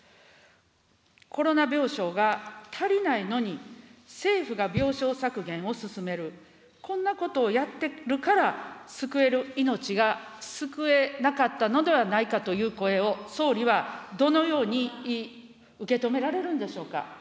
コロナ病床が足りないのに、政府が病床削減を進める、こんなことをやってるから、救える命が救えなかったのではないかという声を、総理はどのように受け止められるんでしょうか。